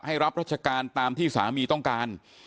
รับรัชการตามที่สามีต้องการ